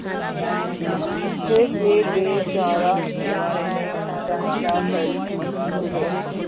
پھر یہ بے چارہ نہ جانے کیا کر گزرے